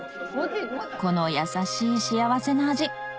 このやさしい幸せな味